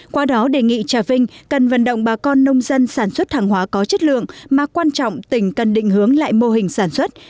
qua đó đề nghị trà vinh cần vận động bà con nông dân sản xuất hàng hóa có chất lượng mà quan trọng tỉnh cần định hướng lại mô hình sản xuất